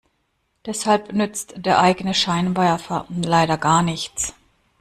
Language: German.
Deshalb nützt der eigene Scheinwerfer leider gar nichts.